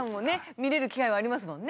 見れる機会はありますもんね。